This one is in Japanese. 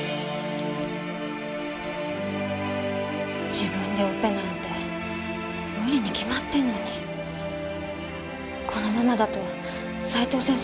自分でオペなんてムリに決まってるのにこのままだと斉藤先生